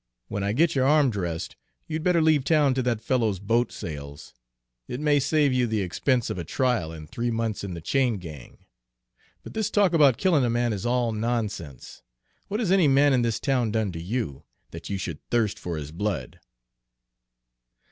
When I get your arm dressed, you'd better leave town till that fellow's boat sails; it may save you the expense of a trial and three months in the chain gang. But this talk about killing a man is all nonsense. What has any man in this town done to you, that you should thirst for his blood?"